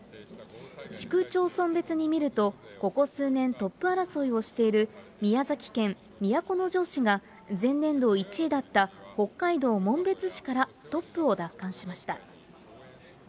市区町村別に見ると、ここ数年、トップ争いをしている宮崎県都城市が前年度１位だった北海道紋別市からトップを奪還しました。